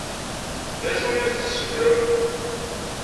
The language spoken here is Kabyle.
D acu i as-d-tessutrem?